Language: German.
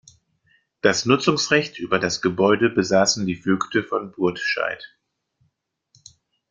Das Nutzungsrecht über das Gebäude besaßen die Vögte von Burtscheid.